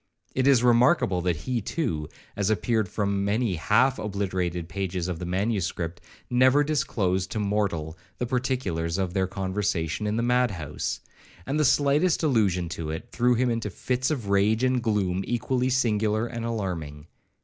It is remarkable, that he too, as appeared from many half obliterated pages of the manuscript, never disclosed to mortal the particulars of their conversation in the mad house; and the slightest allusion to it threw him into fits of rage and gloom equally singular and alarming.